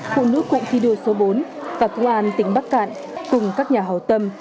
các nữ cụ thi đua số bốn và công an tỉnh bắc cạn cùng các nhà hậu tâm